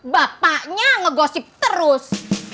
bapaknya ngegosip terus